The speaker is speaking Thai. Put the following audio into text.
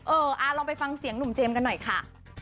ลองไปฟังเสียงหนุ่มเจมส์กันหน่อยค่ะ